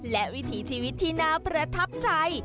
และวิถีชีวิตที่น่าประทับใจ